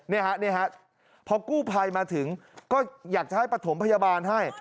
นี่ฮะพอกู้ภัยมาถึงก็อยากจะให้ประถมพยาบาลให้